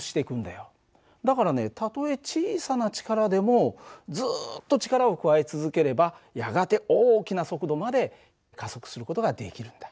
だからねたとえ小さな力でもずっと力を加え続ければやがて大きな速度まで加速する事ができるんだ。